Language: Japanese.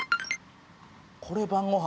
これ晩ご飯？